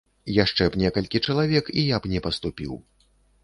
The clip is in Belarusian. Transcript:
Яшчэ б некалькі чалавек, і я б не паступіў.